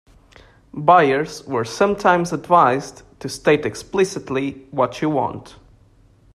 Buyers were sometimes advised to state explicitly what you want.